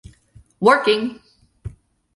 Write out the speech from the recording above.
Working!